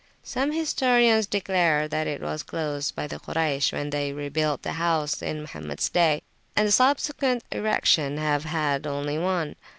Some historians declare that it was closed by the Kuraysh when they rebuilt the house in Mohammeds day, and that subsequent erections have had only one.